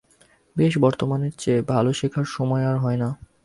বেশ, বর্তমানের চেয়ে ভালো শেখার সময় আর হয় না।